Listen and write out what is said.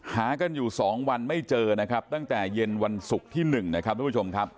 หากันอยู่๒วันไม่เจอนะครับตั้งแต่เย็นวันศุกร์ที่๑นะครับทุกผู้ชมครับ